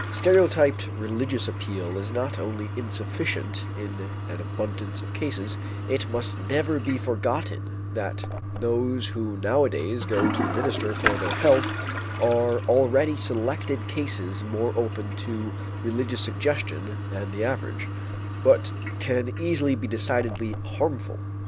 Stereotyped religious appeal is not only insufficient in an abundance of cases it must never be forgotten that those who nowadays go to the minister for their health are already selected cases more open to religious suggestion than the average but can easily be decidedly harmful.